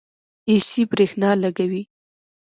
ایسی برښنا لګوي